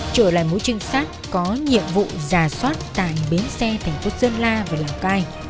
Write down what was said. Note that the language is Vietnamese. trở lại mối trinh sát có nhiệm vụ giả soát tại bến xe thành phố sơn la và lào cai